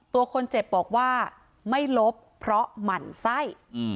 ตัวคนเจ็บบอกว่าไม่ลบเพราะหมั่นไส้